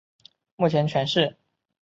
目前全市人口中依然是藏族居多数。